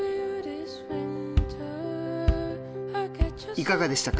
いかがでしたか？